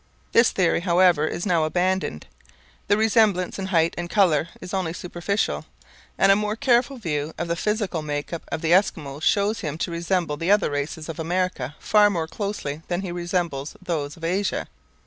This theory, however, is now abandoned. The resemblance in height and colour is only superficial, and a more careful view of the physical make up of the Eskimo shows him to resemble the other races of America far more closely than he resembles those of Asia.